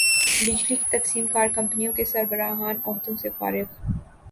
بجلی کی تقسیم کار کمپنیوں کے سربراہان عہدوں سے فارغ